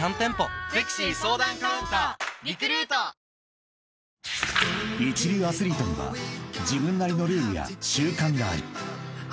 ぷはーっ［一流アスリートには自分なりのルールや習慣がある］